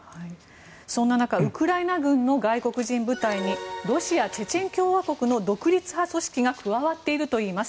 そんな中ウクライナ軍の外国人部隊にロシア・チェチェン共和国の独立派組織が加わっているといいます。